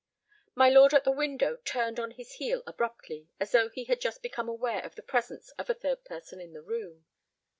My lord at the window turned on his heel abruptly, as though he had just become aware of the presence of a third person in the room.